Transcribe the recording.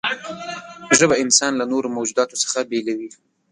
ژبه انسان له نورو موجوداتو څخه بېلوي.